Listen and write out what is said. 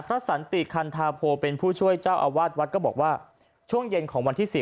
สันติคันธาโพเป็นผู้ช่วยเจ้าอาวาสวัดก็บอกว่าช่วงเย็นของวันที่๔